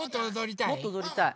もっとおどりたい。